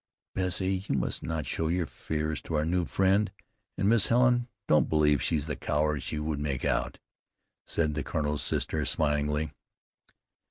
"Bessie, you must not show your fears to our new friend. And, Miss Helen, don't believe she's the coward she would make out," said the colonel's sister smilingly.